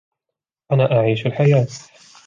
أنا أعيش الحياة.